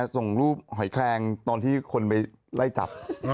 ส่งรูปหอยแคลงตอนที่คนไปไล่จับ